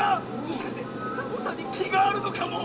もしかしてサボさんにきがあるのかも！